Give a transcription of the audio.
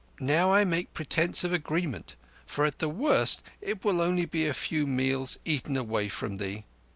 Now I make pretence of agreement, for at the worst it will be but a few meals eaten away from thee.